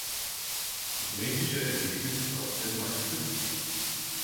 Das kosmetische Ergebnis ist außerdem meist günstiger.